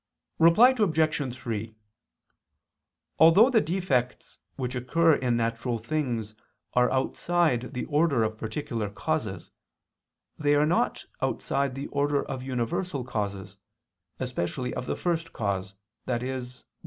Reply Obj. 3: Although the defects which occur in natural things are outside the order of particular causes, they are not outside the order of universal causes, especially of the First Cause, i.e.